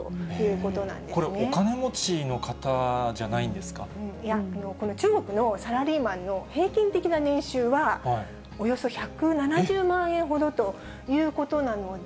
これ、お金持ちの方じゃないいや、これ、中国のサラリーマンの平均的な年収は、およそ１７０万円ほどということなので。